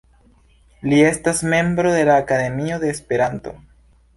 Li estas membro de la Akademio de Esperanto.